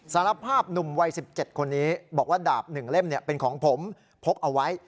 สารภาพหนุ่มวัย๑๗คนนี้บอกว่าดาบ๑เล่มเป็นของผมพกเอาไว้